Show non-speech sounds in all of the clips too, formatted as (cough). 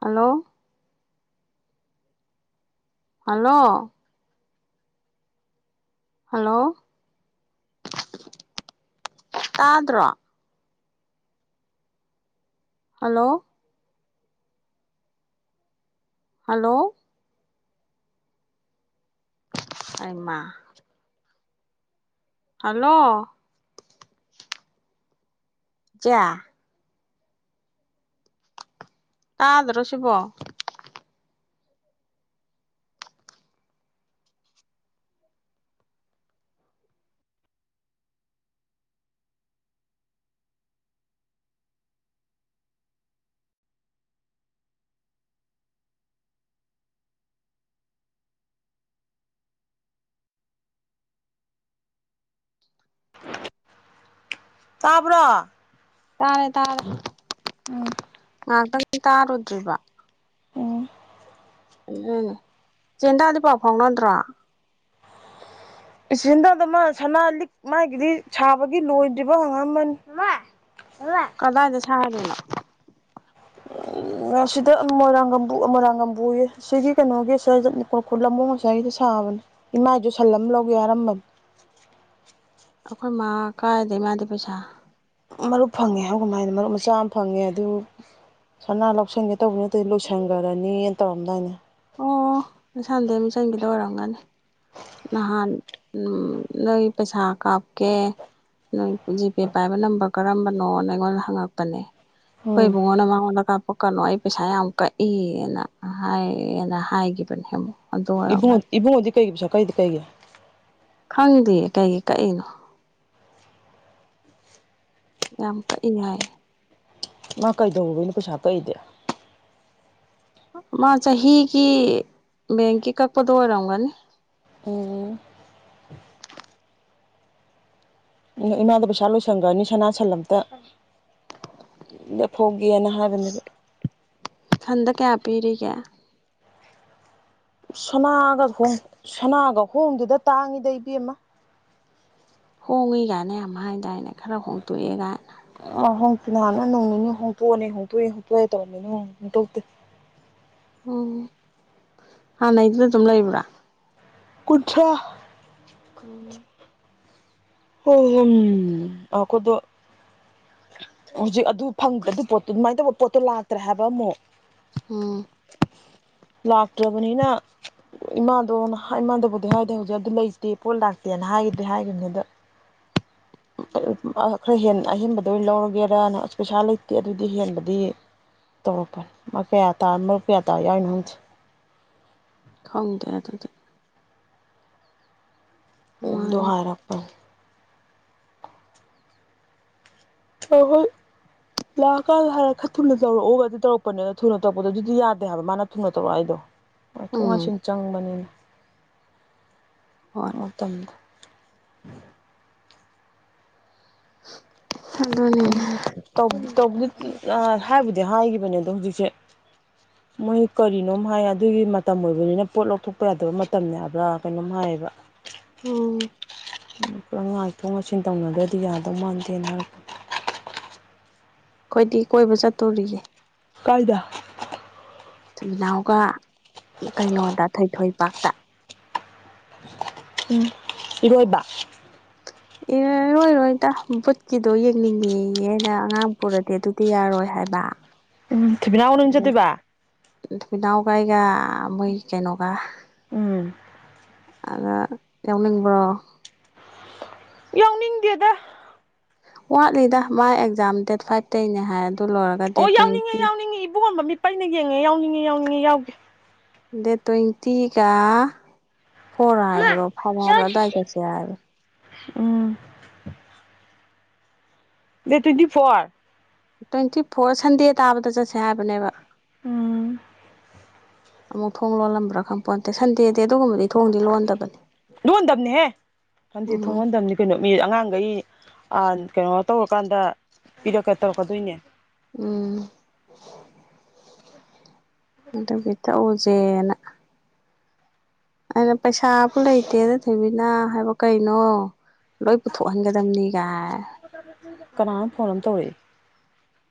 hello hello hello ꯇꯥꯗ꯭ꯔꯣ hello hello ꯑꯩꯃ hello ꯏꯆꯦ ꯇꯥꯗ꯭ꯔꯦ ꯁꯤꯕꯣ ꯇꯥꯕ꯭ꯔꯥ ꯇꯥꯔꯦ ꯇꯥꯔꯦ ꯎꯝ ꯉꯥꯏꯍꯥꯛꯇꯪ ꯇꯥꯔꯨꯗ꯭ꯔꯤꯕ ꯎꯝ ꯆꯦꯟꯗꯥꯗꯤ ꯄꯥꯎ ꯐꯥꯎꯅꯗ꯭ꯔꯣ ꯏꯆꯤꯟꯗ ꯑꯗꯨ ꯃꯥ ꯁꯅꯥ ꯂꯤꯛ ꯃꯥꯒꯤꯗꯤ ꯁꯥꯕꯒꯤ ꯂꯣꯏꯗ꯭ꯔꯤꯕ ꯑꯪꯉꯝꯃꯅꯤ (unintelligible) ꯊꯔꯨꯅꫭ ꯁꯤꯗ ꯃꯣꯏꯔꯥꯡꯝꯕꯨ ꯃꯣꯏꯔꯥꯡ ꯀꯥꯡꯝꯕꯨꯒꯤ ꯁꯤꯒꯤ ꯀꯩꯅꯣꯒꯤ ꯈꯨꯈ ꯈꯨꯜ ꯑꯃꯕꯨꯨ ꯉꯁꯥꯏꯒꯤ ꯁꯥꯕꯅꯦ ꯏꯃꯥꯏꯁꯨ ꯁꯜꯂꯝ ꯂꯧꯒꯦ ꯌꯥꯔꯝꯕꯅꯤ ꯑꯩꯈꯣꯏ ꯃꯥ ꯀꯥꯏꯗꯦ ꯃꯥꯗꯤ ꯄꯩꯁꯥ ꯃꯔꯨꯞ ꯐꯪꯉꯦ ꯍꯥꯏꯕ ꯀꯃꯥꯏꯅ ꯃꯔꯨꯞ ꯃꯆꯥ ꯑꯃ ꯐꯪꯉꯦ ꯑꯗꯨ ꯁꯅꯥ ꯂꯧꯁꯟꯒꯦ ꯇꯧꯕ ꯅꯠꯇꯗꯤ ꯂꯣꯏꯁꯟꯈ꯭ꯔꯅꯤꯅ ꯇꯧꯔꯝꯗꯥꯏꯅꯦ ꯑꯣ ꯅꯁꯥꯟꯗꯩ ꯃꯤꯆꯪꯒꯤꯗ ꯑꯣꯏꯔꯝꯒꯅꯤ ꯅꯍꯥꯟ ꯎꯝ ꯅ ꯄꯩꯁꯥ ꯀꯥꯞꯀꯦ ꯅꯣꯏ ꯖꯤꯄꯦ ꯄꯥꯏꯕ ꯅꯝꯕꯔ ꯀꯔꯝꯕꯅꯣꯅ ꯑꯩꯉꯣꯟꯗ ꯍꯪꯉꯛꯄꯅꯦ ꯑꯩꯈꯣꯏ ꯎꯝ ꯏꯕꯨꯡꯉꯣꯟꯗ ꯃꯉꯣꯟꯗ ꯀꯥꯞꯄꯛꯀꯅꯨ ꯑꯩ ꯄꯩꯁꯥ ꯌꯥꯝ ꯀꯛꯏꯅ ꯍꯥꯏ ꯅ ꯍꯥꯏꯒꯤꯈꯤꯕꯕꯅꯦ ꯍꯦꯃꯣ ꯏꯕꯨꯡ ꯏꯕꯨꯡꯉꯗꯤ ꯀꯩꯒꯤ ꯄꯩꯁꯥ ꯀꯩꯗꯤ ꯀꯩꯒ ꯈꯪꯉꯤꯗꯤꯌꯦ ꯀꯩꯒꯤ ꯀꯛꯏꯅꯣ ꯌꯥꯝ ꯀ ꯍꯥꯏ ꯉ ꯀꯩꯗꯧꯅ ꯄꯩꯁꯥꯇꯏꯗꯦ ꯃꯥ ꯆꯍꯤꯒꯤ ꯕꯦꯡꯒꯤ ꯀꯛꯄꯗꯣ ꯑꯣꯏꯔꯝꯒꯅꯤ (inaudible) ꯎꯝ ꯏꯃꯥꯗ ꯄꯩꯁꯥ ꯂꯣꯏꯁꯟꯈ꯭ꯔꯅꯤ ꯁꯅꯥꯁꯟ ꯑꯝꯇ ꯂꯦꯞꯐꯧꯒꯦꯅ ꯍꯥꯏꯕꯅꯦꯕ ꯍꯟꯗ ꯀꯌꯥ ꯄꯤꯔꯤꯒꯦ ꯁꯅꯥꯒ ꯍꯣꯡ ꯁꯅꯥꯒ ꯍꯣꯡꯗꯨꯗ ꯇꯥꯡꯉꯤꯗ ꯏꯕꯃ ꯍꯣꯡꯉꯤ ꯀꯥꯏꯅ ꯌꯥꯝ ꯍꯥꯏꯗꯥꯏꯅꯦ ꯈꯔ ꯍꯣꯡꯇꯣꯛꯑꯦ ꯀꯥꯏꯅ ꯍꯣꯡꯇꯤ ꯅꯍꯥꯟꯅ ꯅꯅꯨꯡ ꯅꯤ ꯍꯣꯡꯇꯣꯛꯑꯅꯤ ꯍꯣꯡꯇꯣꯛꯑꯦ ꯍꯣꯡꯇꯣꯛꯑꯦ ꯇꯧꯔꯅꯤ ꯑꯗꯨꯅꯨꯡ ꯍꯣꯡꯇꯣꯛꯇꯦ ꯑꯣ ꯍꯥꯟꯅꯗꯨꯅ ꯑꯗꯨꯝ ꯂꯩꯕ꯭ꯔꯥ ꯀꯨꯊ꯭ꯔꯥ ꯎꯝ ꯍꯣꯏ ꯍꯣꯏ ꯑꯩꯀꯣꯏꯗ ꯍꯧꯖꯤꯛ ꯑꯗꯨ ꯐꯪꯗ ꯑꯗꯨ ꯄꯣꯠꯇꯣ ꯑꯗꯨꯃꯥꯏꯅ ꯇꯧꯕ ꯄꯣꯠꯇꯣ ꯂꯥꯛꯇ꯭ꯔꯦ ꯍꯥꯏꯕ ꯑꯃꯨꯛ ꯎꯝ ꯂꯥꯛꯇ꯭ꯔꯕꯅꯤꯅ ꯏꯃꯥꯗꯣ ꯏꯃꯥꯗꯕꯨꯗꯤ ꯍꯥꯏꯔꯗꯤ ꯍꯧꯖꯤꯛ ꯑꯗꯨ ꯂꯩꯇꯦ ꯄꯣꯠ ꯂꯥꯛꯇꯦꯅ ꯍꯥꯏꯈꯤꯗꯦ ꯍꯥꯏꯈꯈꯤꯕꯅꯤꯗ ꯈꯔ ꯍ ꯑꯍꯦꯟꯕꯗ ꯑꯣꯏꯅ ꯂꯧꯔꯒꯦꯔ ꯄꯩꯁꯥ ꯂꯩꯇꯦ ꯑꯗꯨꯗꯤ ꯍꯦꯟꯕꯗꯤ ꯇꯧꯔꯛꯄ ꯀꯌꯥ ꯃꯔꯨꯞ ꯀꯌꯥ ꯇꯥ ꯌꯥꯏꯅꯣꯍꯪꯁꯦ ꯈꯣꯡ ꯇꯔ ꯑꯗꯨꯗ ꯨꯍꯔꯄ ꯑꯍꯨꯝ ꯂꯥꯛꯑꯀꯥꯟ ꯍꯥꯏꯔ ꯈꯔ ꯊꯨꯅ ꯇꯧꯔꯛꯎꯒ ꯑꯗꯨ ꯇꯧꯔꯛꯄꯅꯤꯅ ꯊꯨꯅ ꯇꯧꯔꯛꯄꯗꯣ ꯑꯗꯨꯗꯤ ꯌꯥꯗꯦ ꯍꯥꯏꯕ ꯃꯥꯅ ꯊꯨꯅ ꯇꯧꯔꯛꯑꯣ ꯑꯩꯗꯣ ꯊꯣꯛ ꯎꯝ ꯍꯥꯟꯁꯤꯟ ꯆꯪꯕꯅꯤꯅ ꯍꯣꯏ ꯑꯣ ꯇꯝꯗ (inaudible) ꯑꯗꯨꯅꯤꯅꯦ ꯎꯝ ꯍꯥꯏꯕꯨꯗꯤ ꯍꯥꯏꯈꯤꯕꯅꯦ ꯑꯗꯣ ꯍꯧꯖꯤꯛꯁꯦ ꯃꯣꯏ ꯀꯔꯤꯅꯣꯝ ꯍꯥꯏ ꯑꯗꯨꯒꯤ ꯃꯇꯝ ꯑꯣꯏꯕꯅꯤꯅ ꯄꯣꯠ ꯂꯧꯊꯣꯛꯄ ꯌꯥꯗꯕ ꯃꯇꯝꯅꯤ ꯍꯥꯏꯕ꯭ꯔꯥ ꯀꯩꯅꯣꯝ ꯍꯥꯏ ꯂꯩꯕ ꯑꯣ ꯄꯨꯂꯞ ꯉꯥꯛꯊꯣꯛ ꯉꯥꯏꯁꯤꯟ ꯇꯧꯅꯗ꯭ꯔꯗꯤ ꯌꯥꯗꯧ ꯃꯥꯟꯗꯦꯅ ꯍꯥꯏꯔꯛꯄꯅꯤ ꯑꯩꯈꯣꯏꯗꯤ ꯀꯣꯏꯕ ꯆꯠꯇꯣꯔꯤꯌꯦ ꯀꯥꯏꯗ ꯊꯨꯅꯥꯎꯒ ꯀꯩꯅꯣꯗ ꯊꯣꯏꯊꯣꯏꯄꯥꯛꯇ ꯎꯝ ꯏꯔꯣꯏꯕ ꯑꯦꯔꯣꯏꯔꯣꯏ ꯇ ꯚꯠꯀꯤꯗꯣ ꯌꯦꯡꯅꯤꯡꯉꯌꯦꯅ ꯑꯉꯥꯡ ꯄꯨꯔꯗꯤ ꯑꯗꯨꯗꯤ ꯌꯥꯔꯣꯏ ꯍꯥꯏꯕ ꯎꯝ ꯊꯃꯤꯅ ꯑꯎꯅꯍ ꯆ ꯇꯩꯕꯥ ꯥꯏꯒ ꯃꯣꯏ ꯀꯩꯅꯀ ꯎꯝ ꯑꯗ ꯌꯥꯎꯅꯤꯡꯕ꯭ꯔꯣ ꯌꯥꯎꯅꯤꯡꯗꯦꯗ ꯋꯥꯠꯂꯤꯗ ꯃꯥꯥꯏ ꯑꯦꯛꯖꯥꯝ ꯗꯦꯠ ꯐꯥꯏꯚꯇꯩꯒꯤꯅꯦ ꯍꯥꯏ ꯂꯣꯏꯔꯒ ꯑꯣ ꯗꯦꯠ ꯌꯥꯎꯅꯤꯡꯉꯦ ꯇ꯭ꯋꯦꯟꯇꯤ ꯌꯥꯎꯅꯤꯡꯉꯤ ꯏꯕꯨꯡꯉꯝꯕ ꯃꯤꯄꯩꯅ ꯌꯦꯡꯉꯦ ꯌꯥꯎꯅꯤꯡꯉꯦ ꯌꯥꯎꯅꯤꯡꯉꯦ ꯌꯥꯎꯒꯦ ꯗꯦꯇꯣꯏ ꯊꯤꯒ ꯐꯣꯔ ꯃꯥ ꯍꯥꯏꯕ꯭ꯔꯣ ꯐꯕ ꯍꯥꯏꯕ꯭ꯔꯣꯗꯏ ꯌꯥꯎꯔꯤꯁꯤ ꯀꯁꯤ ꯍꯥꯏꯕ꯭ꯔ ꯎꯝ ꯗ ꯇ꯭ꯋꯦꯟꯇꯤ ꯐꯣꯔ ꯇ꯭ꯋꯦꯟꯇꯤ ꯐꯣꯔ ꯁꯟꯗꯦ ꯇꯥꯕꯗ ꯆꯠꯁꯦ ꯍꯥꯏꯕꯅꯦꯕ ꯎꯝ ꯑꯃꯨꯛ ꯊꯣꯡ ꯂꯣꯜꯂꯝꯕ꯭ꯔꯥ ꯈꯪꯄꯣꯟ ꯅꯠꯇꯦ ꯁꯟꯗꯦꯗꯤ ꯑꯗꯨꯒꯨꯝꯕꯗꯤ ꯊꯣꯡꯗꯤ ꯂꯣꯟꯗꯕꯅꯤ ꯂꯣꯟꯗꯕꯅꯤꯍꯦ ꯈꯪꯗꯦ ꯊꯣꯡꯉꯣꯟꯗꯕꯅꯤ ꯀꯩꯅꯣ ꯃꯤ ꯑꯉꯥꯡꯈꯩ ꯀꯩꯅꯣ ꯇꯧꯔꯀꯥꯟꯗ ꯄꯤꯔꯛꯀꯦ ꯇꯧꯔꯛꯀꯗꯣꯏꯅꯦ ꯎꯝ ꯀꯇꯣ ꯀꯊ ꯑꯣꯖꯦꯅ ꯑꯩꯅ ꯄꯩꯁꯥꯕꯨ ꯂꯩꯇꯦꯗ ꯊꯣꯏꯕꯤꯅ ꯍꯥꯏꯕ ꯀꯩꯅꯣ ꯂꯣꯏ ꯄꯨꯊꯣꯛꯍꯟꯒꯗꯝꯕꯅꯤꯒꯥꯏ ꯀꯅꯥꯅꯣ ꯐꯣꯟ ꯑꯃ ꯇꯧꯔꯛꯏ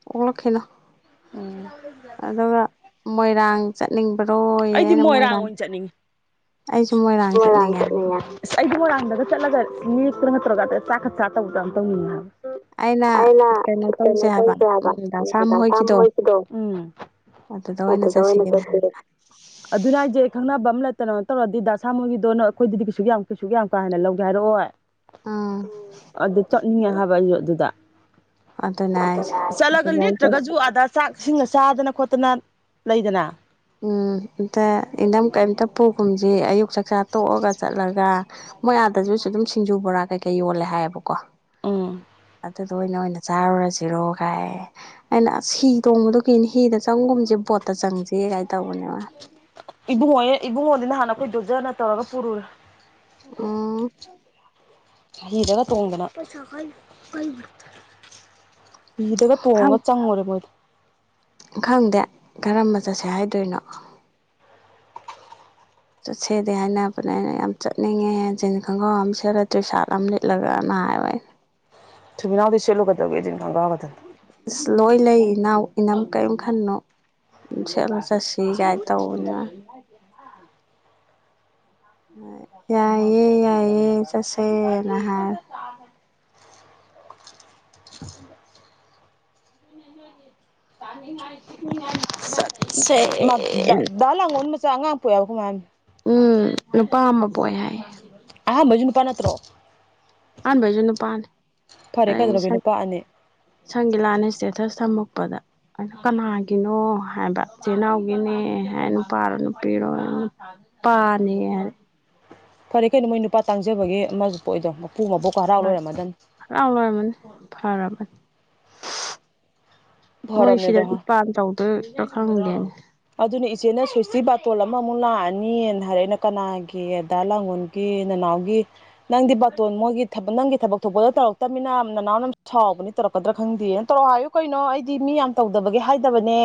ꯑꯣꯛꯂꯛꯈꯤꯅꯣ ꯎꯝ ꯑꯗꯨꯒ ꯃꯣꯏꯔꯥꯡ ꯆꯠꯅꯤꯡꯕ ꯑꯩꯗꯤ ꯃꯣꯏꯔꯥꯡ ꯑꯣꯏꯅ ꯆꯠꯅꯤꯡꯉꯤ ꯑꯩꯁꯨ ꯃꯣꯏꯔꯥꯡ ꯆꯠꯅꯤꯡꯉꯦ ꯆꯠꯅꯉ ꯑꯁ ꯑꯩꯗꯤ ꯃꯣꯏꯔꯥꯡꯗꯒ ꯆꯠꯂꯒꯠ ꯇ ꯇꯔꯒ ꯆꯈꯠ ꯆꯥꯇ ꯎꯗ ꯇꯧꯅꯤ ꯑꯩꯅ ꯀꯩꯅꯣ ꯇꯧꯁꯦ ꯗꯥꯁꯥꯝ ꯍꯥꯏꯕꯁꯥꯝ ꯍꯣꯏꯒꯤꯗꯣ ꯍꯣꯏꯁꯤꯗꯣ ꯑꯗꯨꯗ ꯑ ꯑꯣꯏꯅ ꯇꯋꯅ ꯆꯠꯁꯦꯅ ꯆꯁꯤꯔ ꯑꯗꯨꯅ ꯑꯩꯁꯦ ꯈꯪꯅꯕ ꯑꯃ ꯂꯩꯇꯅ ꯇꯧꯔꯗꯤ ꯗ ꯁꯥ ꯃꯣꯏꯒꯤꯗꯣ ꯅ ꯑꯩꯈꯣꯏꯗꯗꯤ ꯀꯩꯁꯨ ꯌꯥꯝ ꯀꯩꯁꯨ ꯀ ꯌꯥꯝ ꯀꯥ ꯍꯦ ꯂꯧꯒꯦ ꯍꯥꯏꯔꯛꯑꯣ ꯑꯣ ꯎꯝ ꯑꯗꯨ ꯆꯠꯅꯤꯡꯉꯦ ꯍꯥꯏꯕ ꯌ ꯑꯗꯨꯗ ꯑꯗꯨꯅꯦ ꯍꯥꯏꯁꯦ ꯆꯠꯂꯒ ꯑꯗꯨꯗ ꯂꯤꯦꯞꯇ꯭ꯔꯒꯁꯨ ꯑꯗꯥ ꯆꯥꯛꯁꯤꯡꯒ ꯆꯥꯗꯅ ꯈꯣꯠꯇ ꯐꯠꯇꯅ ꯂꯩꯗꯅ ꯎꯝ ꯑꯇ ꯏꯊꯝ ꯀꯩꯝꯇ ꯄꯨꯈꯨꯝꯁꯤ ꯑꯌꯨꯛ ꯆꯛꯆꯥ ꯇꯣꯛꯑꯒ ꯆꯠꯂꯒ ꯃꯣꯏ ꯑꯥꯗꯗꯨꯁꯨ ꯑꯗꯨꯝ ꯁꯤꯡꯖꯨ ꯕꯣꯔꯥ ꯀꯩꯀꯩ ꯌꯣꯜꯂꯦ ꯍꯥꯏꯌꯦꯕꯀꯣ ꯎꯝ ꯑꯗꯨꯗ ꯑꯣꯏꯅ ꯑꯣꯏꯅ ꯆꯥꯔꯨꯔꯁꯤꯔꯣ ꯀꯥꯏ ꯑꯩꯅ ꯑꯁ ꯍꯤ ꯇꯣꯡꯕꯗꯨ ꯀꯅꯤ ꯍꯤꯗ ꯆꯪꯒꯨꯝꯁꯦ ꯄꯠꯇ ꯆꯪꯁꯤ ꯀꯥꯏꯅ ꯇꯧꯕꯅꯦꯕ ꯏꯕꯨꯡꯉꯣ ꯏꯕꯨꯡꯉꯣꯗꯤ ꯅ ꯍꯥꯟꯅ ꯑꯩꯈꯣꯏ ꯗꯣꯖꯅ ꯇꯧꯔꯒ ꯄꯨꯔꯨꯔꯦ ꯑ ꯍꯔꯒ ꯇꯣꯡꯕꯅ ꯐꯤꯗꯒ ꯇꯣꯡꯉꯒ ꯆꯪꯉꯨꯔꯦ ꯃꯣꯏꯗ ꯈꯪꯗꯦ ꯀꯔꯝꯕ ꯆꯠꯁꯦ ꯍꯥꯏꯗꯣꯏꯅꯣ ꯆꯠꯁꯦꯗꯦ ꯍꯥꯏꯅꯕꯅꯦ ꯑꯩꯅ ꯌꯥꯝ ꯆꯠꯅꯤꯡꯉꯦ ꯖꯤꯟꯁ ꯈꯣꯡꯒ꯭ꯔꯥꯎ ꯑꯃ ꯁꯦꯠꯂꯛꯇ꯭ꯔꯔꯤ ꯁꯥꯔꯠ ꯑꯃ ꯂꯤꯠꯂꯒꯅ ꯑꯏ ꯊꯃꯤꯕꯤꯅꯥꯎꯗꯤ ꯁꯦꯂꯨ ꯀꯗꯧꯒꯪꯒꯥ ꯀꯗꯅ ꯑꯁ ꯂꯣꯏ ꯂꯩ ꯏꯅꯥꯎ ꯏꯅꯥꯎ ꯀꯔꯤꯝ ꯈꯟꯅꯣ ꯁꯦꯠꯂꯁꯤ ꯆꯠꯁꯤ ꯀꯥꯏ ꯇꯧꯕꯅꯦ ꯌꯥꯏꯌꯦꯦ ꯌꯥꯏꯌꯦꯦ ꯆꯠꯁꯦ ꯅꯍꯥꯏ ꯇꯥꯟ ꯁꯤꯛ ꯑꯉ ꯃꯉꯥꯡꯎ ꯃꯃꯦ ꯎꯝ ꯅꯨꯄꯥ ꯑꯃ ꯄꯣꯛ ꯍꯥꯏ ꯑꯍꯥꯟꯕꯩꯁꯨ ꯅꯨꯄꯥ ꯅꯠꯇ꯭ꯔꯣ ꯑꯍꯥꯟꯕꯩꯁꯨ ꯅꯨꯄꯥꯅꯤ ꯐꯔꯦ ꯑꯩ ꯀꯩꯗꯧꯔꯒꯦ ꯁ ꯅꯨꯄꯥ ꯑꯅꯤ ꯁꯪꯒꯤ ꯂꯥꯟꯅꯁꯤꯦ ꯊ ꯁꯝꯃꯛꯄꯗ ꯑ ꯀꯅꯥꯒꯤꯅꯣ ꯍꯥꯏꯕ ꯏꯆꯤꯜ ꯏꯅꯥꯎꯒꯤꯅꯦ ꯍꯥꯏ ꯅꯨꯄꯥꯔꯣ ꯅꯨꯄꯤꯔꯣ ꯄꯅꯦꯔ ꯐꯔꯦ ꯀꯩꯅꯣ ꯃꯣꯏ ꯅꯨꯄꯥ ꯇꯥꯡꯖꯕꯒꯤ ꯑꯃꯁꯨ ꯄ ꯑꯣꯏꯗꯕ ꯐꯔꯃꯅꯤ ꯐꯔꯔꯃꯅꯤ ꯃꯣꯏ ꯁꯤꯗ ꯐꯔꯕꯅꯦꯗꯣ ꯗꯤꯄꯥꯟ ꯇꯧꯗꯣꯏꯒ ꯈꯪꯗꯦꯅꯦ ꯑꯗꯨꯅ ꯏꯆꯦꯅ ꯁꯣꯏꯏꯁꯇꯤ ꯕꯥꯇꯣꯜ ꯑꯃꯃꯨꯛ ꯂꯥꯛꯑꯅꯤꯅ ꯍꯥꯏꯔꯛꯑꯅ ꯀꯅꯥꯒꯤ ꯑꯗꯥ ꯂꯥꯡꯒꯣꯜꯒꯤꯅ ꯅꯥꯎ ꯅꯪꯗꯤ ꯕꯥꯇꯣꯟ ꯃꯣꯏꯒꯤ ꯅꯪꯒꯤ ꯊꯕꯛ ꯊꯣꯛꯄꯗꯣ ꯇꯧꯔꯛꯇꯕꯃꯤꯅ ꯅꯅꯥꯎꯅ ꯁꯥꯎꯕꯅꯤ ꯇꯧꯛꯀꯗ꯭ꯔꯥ ꯈꯪꯗꯦ ꯇꯧꯔꯛꯑꯣ ꯍꯥꯏꯌꯨ ꯀꯩꯅꯣ ꯑꯩꯗꯤ ꯃꯤ ꯌꯥꯝ ꯇꯧꯗꯕꯒꯦ ꯍꯥꯏꯗꯕꯅꯦ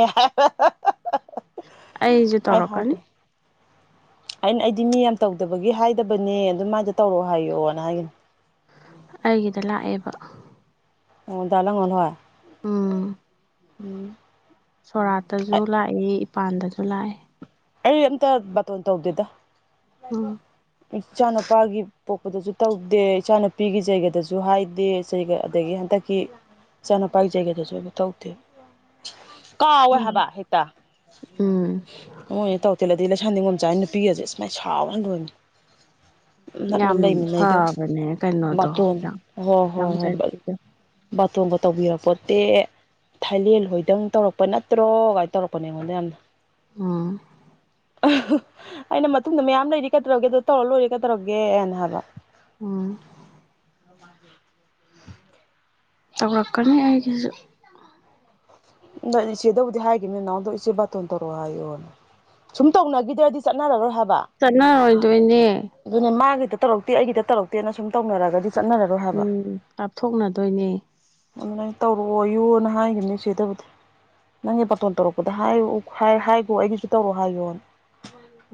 ꯑꯩꯁꯨ ꯑꯩ ꯇꯧꯔꯀꯅꯤ ꯍꯥꯏꯈꯤꯕ ꯑꯩꯅ ꯑꯩꯗꯤ ꯃꯤ ꯌꯥꯝ ꯇꯧꯗꯕꯒꯤ ꯍꯥꯏꯗꯕꯅꯦ ꯑꯗꯨꯃꯥꯏꯅꯗ ꯇꯧꯔꯣꯑꯣ ꯍꯥꯏꯌꯣꯅ ꯍꯥꯏꯒꯅꯤ ꯑꯩꯒꯤꯗ ꯂꯥꯛꯑꯦꯕ ꯑꯣ ꯗ ꯂꯉꯜ ꯍ ꯑꯥ ꯎꯝ ꯃꯄꯥꯟꯗꯁꯨ ꯂꯥꯛꯑꯦ ꯑꯩ ꯑꯝꯇ ꯕꯥꯇꯣꯟ ꯇꯧꯗꯦꯗ ꯎꯝ ꯏꯆꯥꯅꯨꯄꯥꯒꯤ ꯄꯣꯛꯄꯗꯁꯨ ꯇꯧꯗꯦ ꯏꯆꯥꯅꯨꯄꯤꯒꯤ ꯩꯒꯗꯁꯨ ꯍꯥꯏꯗꯦꯒ ꯑꯗꯒꯤ ꯍꯟꯗꯛꯀꯤ ꯏꯆꯥꯅꯣꯄꯥ ꯖꯒꯥꯗꯁꯨꯕꯊꯧꯊꯦ ꯀꯥꯎꯋꯦ ꯍꯥꯏꯕ ꯍꯦꯛꯇ ꯎꯝ ꯃꯣꯏ ꯑꯣꯏꯅ ꯇꯧ ꯇꯤꯦꯜꯂꯗꯤ ꯂꯩꯁꯥꯅꯤꯡꯒꯣꯝꯆꯥ ꯅꯨꯄꯤꯒꯁꯦ ꯁꯨꯃꯥꯏꯅ ꯁꯥꯎꯍꯟꯗꯣꯏꯅꯤ ꯅ ꯌꯥꯝ ꯂꯩꯃꯤ ꯂꯩ ꯑꯩꯗ ꯐꯕꯅꯦ ꯀꯩꯅꯣꯗꯣ ꯕꯥꯇꯣꯟ ꯍꯣꯏ ꯍꯣꯏ ꯍꯣꯏ ꯕꯥꯇꯣꯟꯒ ꯇꯧꯕꯤꯔꯛꯄꯣꯠꯇꯦ ꯊꯥꯏꯂꯦꯟ ꯍꯣꯏꯗꯪ ꯇꯧꯔꯛꯄ ꯅꯠꯇ꯭ꯔꯣ ꯀꯥꯏ ꯇꯧꯔꯛꯄꯅꯦ ꯑꯩꯉꯣꯟꯗ ꯌꯥꯝꯅ ꯎꯝ ꯑꯩꯅ ꯃꯇꯨꯡꯗ ꯃꯌꯥꯝ ꯂꯩꯔꯤ ꯀꯩꯗꯧꯔꯒꯦ ꯑꯗꯨꯣ ꯇꯧꯔ ꯂꯣꯏꯔꯦ ꯀꯩꯗꯧꯔꯒꯦꯅ ꯍꯥꯏꯕ ꯎꯝ ꯇꯛꯀꯅꯤ ꯍꯥꯏꯒꯦꯁꯨ ꯅꯣꯏ ꯏꯆꯦꯗꯕꯨꯗꯤ ꯍꯥꯏꯈꯤꯕꯅꯤ ꯅꯍꯎꯗꯣ ꯏꯆꯦ ꯕꯥꯇꯣꯟ ꯇꯧꯔꯛꯑꯣ ꯍꯥꯏꯌꯣꯅꯦ ꯁꯨꯝ ꯇꯧꯅꯈꯤꯗ꯭ꯔꯗꯤ ꯆꯠꯅꯔꯔꯣꯏ ꯍꯥꯏꯕ ꯆꯟꯅ ꯑꯣꯏꯣꯏꯗꯨꯕꯅꯦꯦ ꯑꯗꯨꯅꯦ ꯃꯥꯒꯤꯗ ꯇꯧꯔꯛꯇꯦ ꯑꯩꯒꯤꯗ ꯇꯧꯔꯛꯇꯦꯅ ꯁꯨꯝ ꯇꯧꯅꯔꯒꯗꯤ ꯆꯠꯅꯔꯔꯣꯏ ꯍꯥꯏꯕ ꯎꯝ ꯂꯥꯞꯊꯣꯛꯅꯗꯣꯏꯅꯦ ꯑꯣꯂꯥꯏ ꯇꯧꯔꯛꯑꯣꯌꯨꯅ ꯍꯥꯏꯈꯤꯕꯅꯤ ꯆꯦꯗꯕꯨꯗꯤ ꯅꯪꯒꯤ ꯄꯇꯣꯟ ꯇꯧꯔꯛꯄꯗ ꯍꯥꯏꯌ ꯍꯥꯏꯈꯣ ꯑꯩꯒꯤꯁꯨ ꯇꯧꯔꯣ ꯍꯥꯏꯌꯣꯅ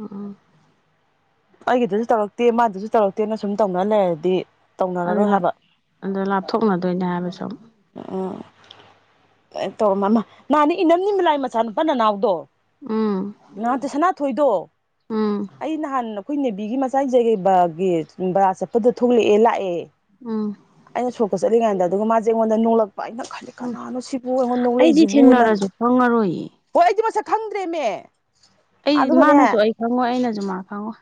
ꯑꯣ ꯑꯩꯒꯤꯗꯁꯨ ꯇꯧꯔꯛꯇꯦ ꯃꯥꯗꯨꯁꯨ ꯇꯧꯔꯛꯇꯦꯅ ꯁꯨꯝ ꯇꯧꯅ ꯂꯩꯔꯗꯤ ꯑꯗꯨ ꯇꯧꯅꯔꯔꯣꯏ ꯍꯥꯏꯕ ꯑꯗ ꯂꯥꯞꯊꯣꯛꯅꯗꯣꯏꯅꯦ ꯍꯥꯏꯕ ꯁꯨꯝ ꯎꯝ ꯇꯧꯔꯃ ꯅꯍꯥꯟꯅꯦ ꯏꯅꯝꯅꯤ ꯃꯤꯂꯥꯏ ꯃꯆꯥ ꯅꯨꯨꯄꯥ ꯅꯅꯥꯎꯗꯣ ꯎꯝ ꯉꯍꯇ ꯁꯅꯥ ꯊꯣꯏꯗꯣ ꯎꯝ ꯑꯩ ꯅꯍꯥꯟ ꯑꯩꯈꯣꯏ ꯅꯦꯕꯤꯒꯤ ꯃꯆꯥꯖꯒꯩ ꯒꯤ ꯕꯔꯥ ꯆꯠꯄꯗ ꯊꯣꯛꯂꯛꯑꯦ ꯂꯥꯛꯑꯦ ꯎꯝ ꯑꯩꯅ ꯁꯣꯛꯀ ꯆꯠꯂꯤ ꯀꯥꯟꯗ ꯑꯗꯨꯒ ꯃꯥꯁꯦ ꯑꯩꯉꯣꯟꯗ ꯅꯣꯡꯂꯛꯄ ꯑꯩꯅ ꯈꯜꯂꯤꯦ ꯎꯝ ꯀꯅꯥꯅꯣ ꯁꯤꯕꯨ ꯑꯩꯉꯣꯟꯗ ꯑꯩꯗꯤ ꯅꯣꯡꯂꯛꯏꯁꯤꯕꯨꯅ ꯊꯦꯡꯅꯔꯁꯨ ꯈꯪꯉꯔꯣꯏꯌꯦ ꯍꯣꯏ ꯑꯩꯗꯤ ꯃꯁꯛ ꯈꯪꯗ꯭ꯔꯦꯃꯦ ꯑꯩ ꯑꯗꯨꯒꯅꯦ ꯃꯥꯅꯁꯨ ꯑꯩ ꯈꯪꯉꯣꯏ ꯑꯩꯅꯁꯨ ꯃꯥꯅ ꯈꯪꯉꯣꯏ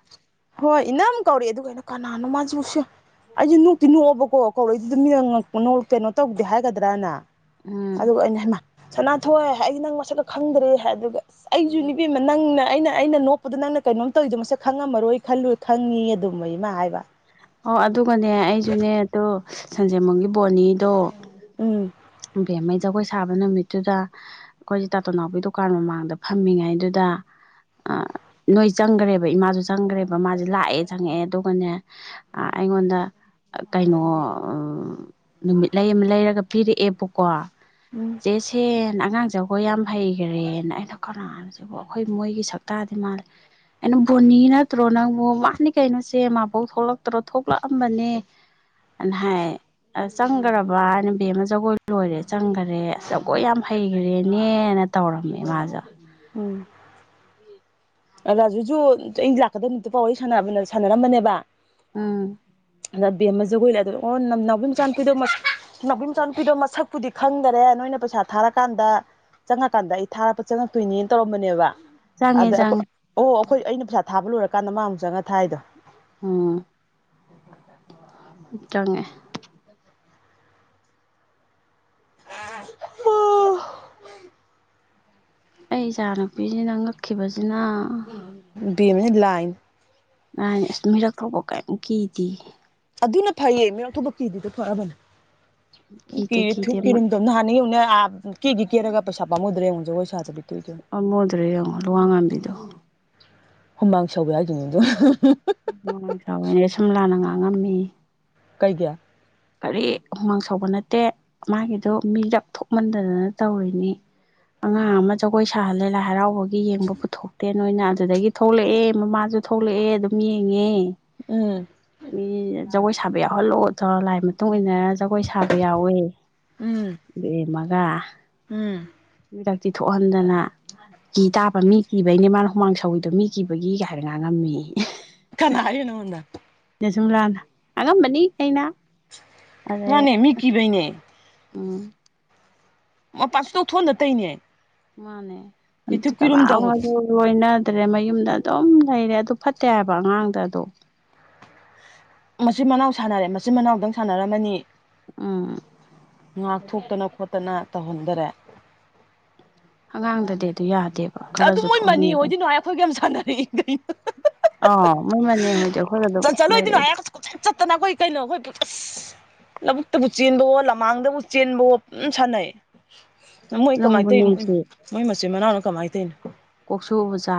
ꯍꯣꯏ ꯏꯅꯝ ꯀꯧꯔꯛꯑꯦ ꯑꯗꯨꯒ ꯀꯩꯅꯣ ꯀꯅꯥꯅꯣ ꯃꯥꯁꯨꯁ ꯑꯩꯁꯨ ꯅꯣꯛꯇꯤ ꯅꯣꯛꯑꯕ ꯀꯣ ꯀꯧꯔꯛꯏꯗꯨ ꯑꯗꯨꯝ ꯀꯩꯅꯣ ꯇꯧꯗꯦ ꯍꯥꯏꯒꯗ꯭ꯔꯅ ꯎꯝ ꯑꯗꯨꯒ ꯑꯩꯅ ꯁꯅꯥꯊꯣꯏ ꯑꯩ ꯅꯪ ꯃꯁꯛꯀ ꯈꯪꯗ꯭ꯔꯦ ꯍꯥꯏ ꯑꯗꯨꯒ ꯑꯩꯁꯨꯅꯤ ꯏꯕꯦꯃꯥ ꯅꯪꯅ ꯑꯩꯅ ꯑꯩꯅ ꯅꯣꯛꯄꯗ ꯅꯪ ꯀꯩꯅꯣꯝ ꯇꯧꯔꯤꯗꯣ ꯃꯁꯛ ꯈꯪꯉꯝꯃꯔꯣꯏ ꯈꯜꯂꯣꯏ ꯈꯪꯉꯤ ꯑꯗꯨꯃꯩꯃ ꯍꯥꯏꯕ ꯑꯣ ꯑꯗꯨꯒꯅꯦ ꯑꯩꯁꯨꯅꯦ ꯑꯗꯣ ꯁꯟꯖꯦꯃꯨꯡꯒꯤ ꯕꯣꯅꯤꯗꯣ ꯎꯝ ꯕꯦꯝꯃꯩ ꯖꯒꯣꯏ ꯁꯥꯕ ꯅꯨꯃꯤꯠꯇꯨꯗ ꯑꯩꯈꯣꯏꯁꯦ ꯇꯥꯇꯣ ꯅꯥꯎꯄꯤ ꯗꯨꯀꯥꯟ ꯃꯃꯥꯡꯗ ꯐꯝꯃꯤꯉꯩꯗꯨꯗ ꯑ ꯅꯣꯏ ꯆꯪꯈ꯭ꯔꯦꯕ ꯏꯃꯥꯁꯨ ꯆꯪꯈ꯭ꯔꯦꯕ ꯃꯥꯁꯦ ꯂꯥꯛꯑꯦ ꯆꯪꯉꯛꯑꯦ ꯑꯗꯨꯒꯅꯦ ꯑꯩꯉꯣꯟꯗ ꯀꯩꯅꯣ ꯅꯨꯃꯤꯠ ꯂꯩ ꯑꯃ ꯂꯩꯔꯒ ꯄꯤꯔꯛꯑꯦ ꯄꯨꯀꯣ ꯎꯝ ꯆꯦ ꯁꯦꯟ ꯑꯉꯥꯡꯖꯧ ꯍꯣꯏ ꯌꯥꯝ ꯍꯩꯈ꯭ꯔꯦꯅ ꯑꯩꯅ ꯀꯅꯥꯁꯤꯕ ꯑꯩꯈꯣꯏ ꯃꯣꯏꯒꯤ ꯁꯛꯇꯇꯥꯗꯤ ꯃꯥꯜꯂꯦ ꯀꯩꯅ ꯕꯣꯅꯤ ꯅꯠꯇ꯭ꯔꯣ ꯅꯪꯕꯨ ꯃꯥꯅꯤ ꯀꯩꯅꯣꯁꯦ ꯃꯥꯕꯧ ꯊꯣꯛꯂꯛꯇ꯭ꯔꯣ ꯊꯣꯛꯂꯛꯑꯝꯕꯅꯦ ꯑꯅ ꯍꯥꯏ ꯑ ꯆꯪꯈ꯭ꯔꯕ ꯍꯥꯏꯅ ꯕꯦꯝꯃ ꯖꯒꯣꯏ ꯂꯣꯏꯔꯦ ꯆꯪꯈꯔꯦ ꯖꯒꯣꯏ ꯌꯥꯝ ꯍꯩꯈ꯭ꯔꯦꯅꯦꯅ ꯇꯧꯔꯝꯃꯦ ꯃꯥꯁꯨ ꯎꯝ ꯔꯥꯖꯨꯖꯨ ꯑ ꯂꯥꯛꯀꯗꯕ ꯅꯨꯠꯇ ꯄꯥꯎ ꯁ ꯁꯥꯟꯅꯔꯝꯕꯅꯦꯕ ꯎꯝ ꯑꯗ ꯕꯦꯝ ꯑꯃꯖꯒꯣꯏ ꯂꯩ ꯑꯣ ꯑꯣ ꯅ ꯅꯥꯎꯄꯤ ꯃꯆꯥꯅꯨꯄꯤꯗꯣ ꯃꯁ ꯅꯥꯎꯄꯤ ꯃꯆꯥꯅꯨꯄꯤꯗꯣ ꯃꯁꯛ ꯀꯨꯗꯤ ꯈꯪꯗꯔꯦ ꯅꯣꯏꯅ ꯄꯩꯁꯥ ꯊꯥꯔꯀꯥꯟꯗ ꯆꯪꯉꯀꯥꯟꯗ ꯑꯩ ꯊꯥꯔꯛꯄ ꯆꯪꯉꯛꯇꯣꯏꯅꯦꯅ ꯇꯧꯔꯝꯕꯅꯦꯕ ꯑꯗ ꯆꯉꯦ ꯑꯩꯈꯣꯏ ꯆꯥꯡꯉꯦ ꯑꯣ ꯑꯩꯈꯣꯏ ꯑꯩꯅ ꯄꯩꯁꯥ ꯊꯥꯕ ꯂꯣꯏꯔꯀꯥꯟꯗ ꯃꯥ ꯑꯃꯨꯛ ꯆꯪꯉꯒ ꯊꯥꯏꯗꯣ ꯎꯝ ꯆꯉꯦ ꯑꯣ ꯑꯩ ꯏꯆꯥꯅꯨꯄꯤꯁꯤꯅ ꯉꯛꯈꯤꯕꯁꯤꯅ ꯂꯥꯏ ꯥꯏꯅꯦ ꯑꯁ ꯃꯤꯔꯛ ꯊꯧꯕ ꯀꯔꯤꯝꯨ ꯀꯤꯗ ꯑꯗꯨꯅ ꯐꯩꯌꯦ ꯃꯤꯔꯊꯄ ꯀꯤꯗꯨꯗ ꯐꯔꯕꯅꯤ ꯀꯤꯗꯦ ꯀꯤꯔꯦ ꯊꯨ ꯀꯤꯔꯝꯗꯕ ꯅꯍꯥꯟꯅ ꯌꯧꯅꯦ ꯖꯒꯣꯏ ꯁꯥꯗꯕꯤ ꯇꯣꯛꯏꯗꯣ ꯑꯃꯣꯗ꯭ꯔꯦ ꯌꯦꯡꯉꯣ ꯂꯨꯋꯥꯡ ꯉꯝꯕꯤꯗꯣ ꯍꯨꯃꯥꯡ ꯁꯧꯕ ꯌꯥꯈꯤꯅꯤꯗ ꯃꯅꯪ ꯆꯕꯅꯦ ꯁꯨꯝꯂꯥꯅ ꯉꯥꯡ ꯉꯝꯃꯤ ꯀꯩ ꯀꯌꯥ ꯀꯔꯤ ꯍꯨꯃꯥꯡ ꯁꯧꯕ ꯅꯠꯇꯦ ꯃꯥꯒꯤꯗꯣ ꯃꯤꯗꯞ ꯊꯣꯛꯃꯟꯗꯗꯅ ꯇꯧꯔꯤꯅꯤ ꯑꯉꯥꯡ ꯑꯃ ꯖꯒꯣꯏ ꯁꯥꯍꯜꯂꯦ ꯂꯥꯏ ꯍꯔꯥꯎꯕꯒꯤ ꯌꯦꯡꯕ ꯄꯨꯊꯣꯛꯇꯦ ꯅꯣꯏꯅ ꯑꯗꯨꯗꯒꯤ ꯊꯣꯛꯂꯛꯑꯦ ꯃꯃꯥꯁꯨ ꯊꯣꯛꯂꯛꯑꯦ ꯑꯗꯨꯝ ꯌꯦꯡꯉꯦ ꯎꯝ ꯃꯤ ꯖꯒꯣꯏ ꯁꯥꯕ ꯌꯥꯎꯍꯜꯂꯣ ꯂꯥꯏ ꯃꯇꯨꯡ ꯏꯟꯅꯔ ꯖꯒꯣꯏ ꯁꯥꯕ ꯌꯥꯎꯋꯦ ꯎꯝ ꯑꯗꯨ ꯎꯝ ꯇꯤꯊꯣꯛꯍꯟꯗꯅ ꯀꯤ ꯇꯥꯕ ꯃꯤ ꯀꯤꯕꯩꯅꯦ ꯃꯥꯅ ꯍꯨꯃꯥꯡ ꯁꯧꯋꯤꯗꯣ ꯃꯤ ꯀꯤꯕꯒꯤꯒ ꯍꯥꯏꯔ ꯉꯥꯡꯉꯝꯃꯤ ꯀꯅꯥ ꯍꯥꯏꯅꯣ ꯅꯉꯣꯟꯗ ꯁꯨꯝꯂ ꯑꯉꯝꯕꯅꯤ ꯑꯩꯅ ꯑꯗꯩ ꯃꯥꯅꯦ ꯃꯤꯀꯤꯕꯩꯅꯦ ꯎꯝ ꯃꯄꯥꯥꯟ ꯁꯇꯧ ꯊꯣꯟꯅ ꯇꯩꯅꯦ ꯃꯥꯅꯦ ꯑꯗꯨ ꯀꯅꯥ ꯑꯗꯨ ꯑꯣꯏꯅ ꯐꯠꯇ꯭ꯔꯦ ꯃꯌꯨꯝꯗ ꯑꯗꯨꯝ ꯂꯩꯔꯦ ꯑꯗꯨ ꯐꯠꯇꯦ ꯍꯥꯏꯕ ꯑꯉꯥꯡꯗ ꯑꯗꯨ ꯃꯆꯤꯟ ꯃꯅꯥꯎ ꯁꯥꯟꯅꯔꯦ ꯃꯆꯤꯟ ꯃꯅꯥꯎꯗꯪ ꯁꯥꯟꯅꯔꯝꯃꯅꯤ ꯎꯝ ꯉꯥꯛꯊꯣꯛꯇꯅ ꯈꯣꯠꯇꯅ ꯇꯧꯍꯟꯗꯔꯦ ꯑꯉꯥꯡꯗꯗꯤ ꯑꯗꯨ ꯌꯥꯗꯦ ꯑꯗꯨ ꯃꯣꯏ ꯃꯅꯤ ꯑꯣꯏꯗꯤꯏ ꯅꯨꯡꯉꯥꯏ ꯑꯩꯈꯣꯏꯒ ꯌꯥꯝ ꯁꯥꯟꯅꯔꯛꯏ ꯀ ꯑꯥꯎ ꯃꯣꯏ ꯃꯅꯦ ꯍꯣꯏꯗꯤ ꯑꯩꯈꯣꯏꯒ (unintelligible) ꯑꯗꯨꯝ ꯆꯠꯂꯣꯏꯗꯣꯏꯅ ꯂꯩꯔꯛꯏꯗ ꯍꯥꯏ ꯀꯆꯠ ꯆꯠꯇꯅ ꯑꯩꯈꯣꯏ ꯀꯩꯅꯣ ꯑꯩꯈꯣꯏ ꯑꯁ ꯂꯧꯕꯨꯛꯇꯕꯨ ꯆꯦꯟꯕꯋꯣ ꯂꯃꯥꯡꯗꯕꯨ ꯆꯦꯟꯕꯋꯣ ꯄꯝ ꯁꯥꯟꯅꯩ ꯃꯣꯏ ꯀꯃꯥꯏꯅ ꯅꯨꯡꯕꯨ ꯇꯧꯔꯤꯅꯣ ꯃꯣꯏ ꯃꯣꯏ ꯃꯆꯤꯟ ꯃꯅꯥꯎꯅ ꯀꯃꯥꯏꯅ ꯇꯧꯔꯤꯅꯣ ꯀꯧꯁꯨꯖꯥ